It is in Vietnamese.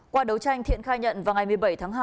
qua đấu tranh thiện khai nhận vào ngày một mươi bảy tháng hai